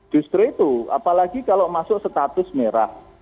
justru itu apalagi kalau masuk status merah